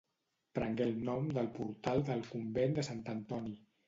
Prengué el nom del portal del convent de Sant Antoni.